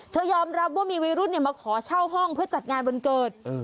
ยอมรับว่ามีวัยรุ่นมาขอเช่าห้องเพื่อจัดงานวันเกิด